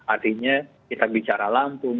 artinya kita bicara lampung